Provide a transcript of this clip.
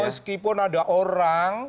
meskipun ada orang